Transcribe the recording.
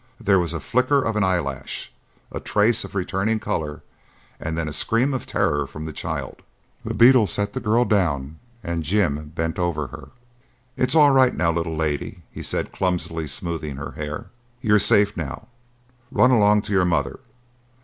There was a flicker of an eyelash, a trace of returning color, and then a scream of terror from the child. The beetle set the girl down and Jim bent over her. "It's all right now, little lady," he said, clumsily smoothing her hair. "You're safe now. Run along to your mother.